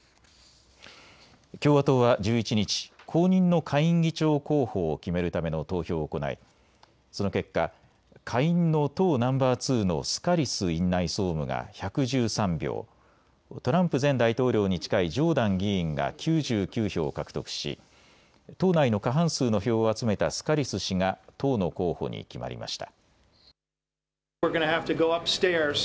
共和党は１１日、後任の下院議長候補を決めるための投票を行いその結果、下院の党ナンバー２のスカリス院内総務が１１３票、トランプ前大統領に近いジョーダン議員が９９票を獲得し党内の過半数の票を集めたスカリス氏が党の候補に決まりました。